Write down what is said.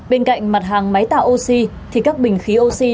bên cạnh mặt hàng máy tạo oxy thì các bình khí oxy